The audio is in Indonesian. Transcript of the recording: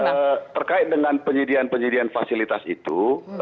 ya terkait dengan penyediaan penyediaan fasilitas itu